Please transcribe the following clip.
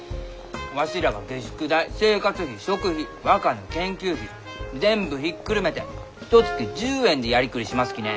わしらは下宿代生活費食費若の研究費全部ひっくるめてひとつき１０円でやりくりしますきね！